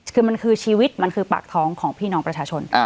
คือมันคือชีวิตมันคือปากท้องของพี่น้องประชาชน